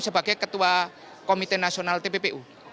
sebagai ketua komite nasional tppu